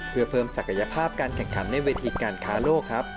เพื่อเพิ่มศักยภาพการแข่งขันในเวทีการค้าโลกครับ